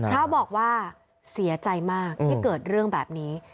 พระบอกว่าเสียใจมากที่เกิดเรื่องแบบนี้